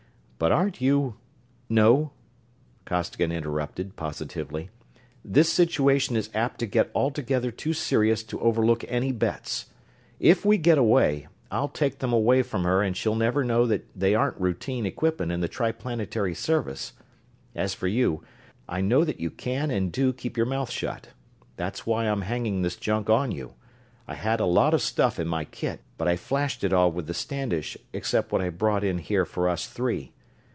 But aren't you...." "No," Costigan interrupted, positively. "This situation is apt to get altogether too serious to overlook any bets. If we get away, I'll take them away from her and she'll never know that they aren't routine equipment in the Triplanetary Service. As for you, I know that you can and do keep your mouth shut. That's why I'm hanging this junk on you I had a lot of stuff in my kit, but I flashed it all with the Standish, except what I brought in here for us three.